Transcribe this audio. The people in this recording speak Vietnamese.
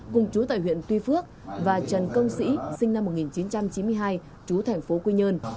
cùng chú tại huyện tuy phước và trần công sĩ sinh năm một nghìn chín trăm chín mươi hai chú thành phố quy nhơn